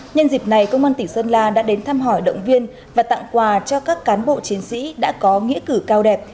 nhân dịp này công an tỉnh sơn la đã đến thăm hỏi động viên và tặng quà cho các cán bộ chiến sĩ đã có nghĩa cử cao đẹp